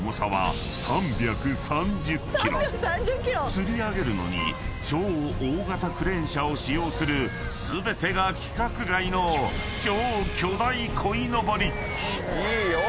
［つり上げるのに超大型クレーン車を使用する全てが規格外の超巨大鯉のぼり］いいよ！